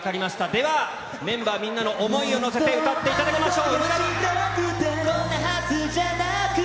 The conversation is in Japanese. では、メンバーみんなの思いを乗せて歌っていただきましょう。